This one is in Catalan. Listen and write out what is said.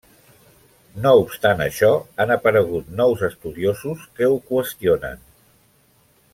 No obstant això han aparegut nous estudiosos que ho qüestionen.